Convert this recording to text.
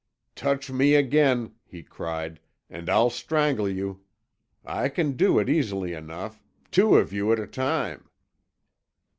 "Touch me again," he cried, "and I'll strangle you! I can do it easily enough two of you at a time!"